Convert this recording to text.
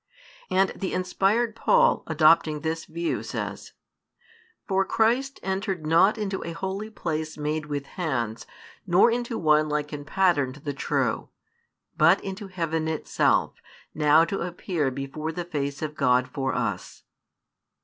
And the inspired Paul, adopting this view, says: For Christ entered not into a holy place made with hands, nor into one like in pattern to the true; but into heaven itself, now to appear before the Face of God for us.